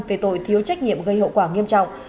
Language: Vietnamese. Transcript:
về tội thiếu trách nhiệm gây hậu quả nghiêm trọng